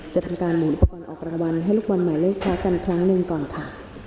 จะทำการหมุนปอนออกรางวัลให้ลูกบอลหมายเลขแพ้กันครั้งหนึ่งก่อนค่ะ